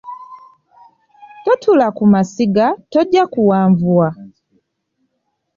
Totuula ku masiga, tojja kuwanvuwa